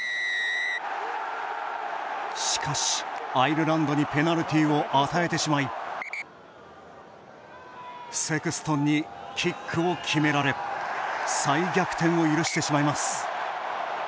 しかし、アイルランドにペナルティーを与えてしまいセクストンにキックを決められ再逆転を許してしまいます。